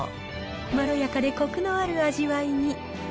まろやかでこくのある味わいに。